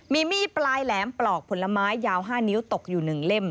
มีมีดปลายแหลมปลอกผลไม้ยาว๕นิ้วตกอยู่๑เล่ม